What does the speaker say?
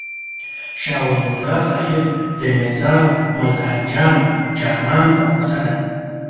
شاه ولي الله صاحب د میرزا مظهر جان جانان په غوښتنه.